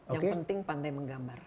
yang penting pandai menggambar